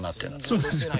そうですね。